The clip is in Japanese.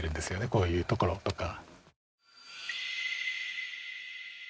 こういうところとか。